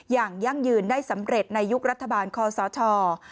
อย่างยั่งยืนได้สำเร็จในยุครัฐบาลคอสาธารณ์